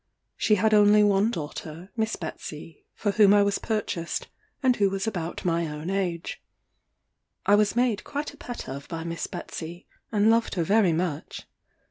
She had only one daughter, Miss Betsey, for whom I was purchased, and who was about my own age. I was made quite a pet of by Miss Betsey, and loved her very much.